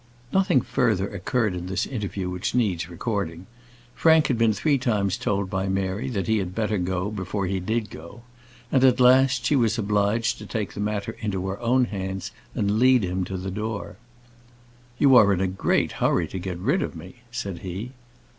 Nothing further occurred in this interview which needs recording. Frank had been three times told by Mary that he had better go before he did go; and, at last, she was obliged to take the matter into her own hands, and lead him to the door. "You are in a great hurry to get rid of me," said he.